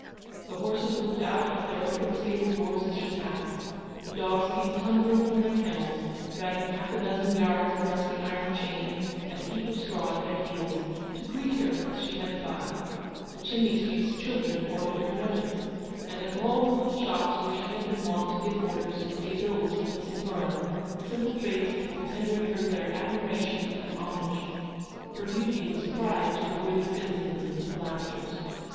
The horses looked out of their open stable doors as she passed; the dogs came tumbling from their kennels, dragging half a dozen yards of rusty iron chain and a heap of straw at their heels, to greet her as she went by ; the chimney sweeps' children courted her notice ; and at all the little shops where she had been wont to give orders and pay bills for the Signora, the simple tradespeople tendered her 216 Eleanor's victory. their admiration and homage. Her beauty was a pride to the worthy citizens of the Pilasters.